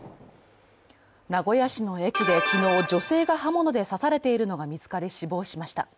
名古屋市の駅で昨日、女性が刃物で刺されているのが見つかり死亡しました。